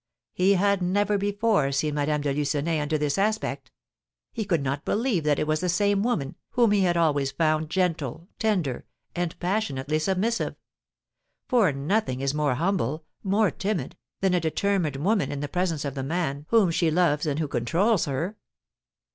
He had never before seen Madame de Lucenay under this aspect. He could not believe that it was the same woman, whom he had always found gentle, tender, and passionately submissive; for nothing is more humble, more timid, than a determined woman in the presence of the man whom she loves and who controls her.